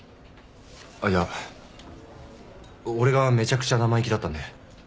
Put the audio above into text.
あっいや俺がめちゃくちゃ生意気だったんで。